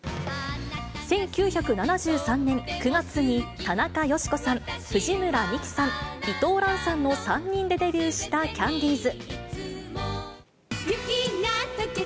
１９７３年９月に、田中好子さん、藤村美樹さん、伊藤蘭さんの３人でデビューしたキャンディーズ。